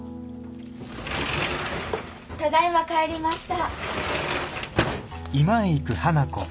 ただいま帰りました。